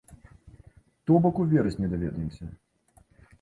То бок у верасні даведаемся.